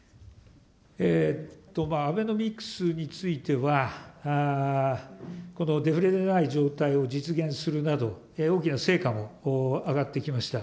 アベノミクスについては、このデフレでない状態を実現するなど、大きな成果が上がってきました。